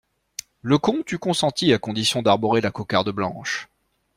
Le comte eut consenti à condition d'arborer la cocarde blanche.